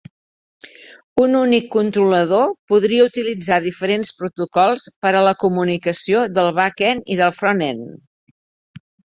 Un únic controlador "podria" utilitzar diferents protocols per a la comunicació del back-end i del front-end.